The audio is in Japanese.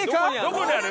どこにある？